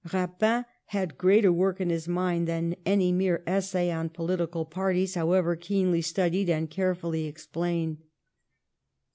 Eapin had greater work in his mind than any mere essay on political parties, however keenly studied and carefully explained.